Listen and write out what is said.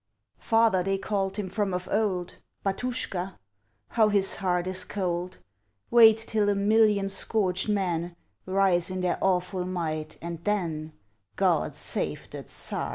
Father they called him from of old Batuschka! ... How his heart is cold! Wait till a million scourged men Rise in their awful might, and then God save the Tsar!